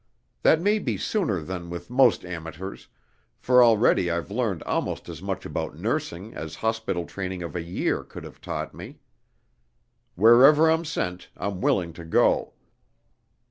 That may be sooner than with most amateurs, for already I've learned almost as much about nursing as hospital training of a year could have taught me. Wherever I'm sent, I'm willing to go.